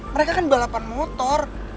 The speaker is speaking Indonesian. mereka kan balapan motor